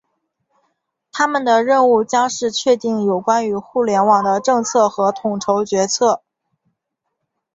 他们的任务将是确定有关于互联网的政策和统筹决策。